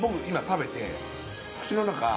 今食べて。